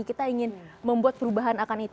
kita ingin membuat perubahan